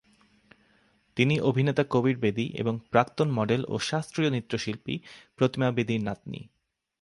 তিনি অভিনেতা কবির বেদী এবং প্রাক্তন মডেল ও শাস্ত্রীয় নৃত্যশিল্পী প্রতিমা বেদীর নাতনী।